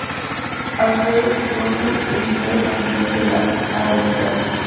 Alfredo Stroessner e iniciada la transición a la democracia.